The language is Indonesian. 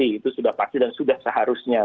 itu sudah pasti dan sudah seharusnya